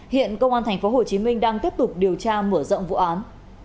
hiện công an tp hcm đang tiếp tục điều tra mở rộng vụ án